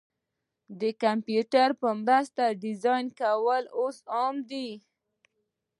د کمپیوټر په مرسته ډیزاین کول اوس عام دي.